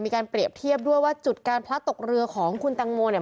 มีการเปรียบเทียบด้วยว่าจุดการพลัดตกเรือของคุณตังโมเนี่ย